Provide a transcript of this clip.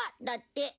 だって。